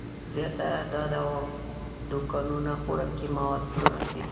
زیاتره دا دوکانونه خوراکي مواد پلورنځي دي.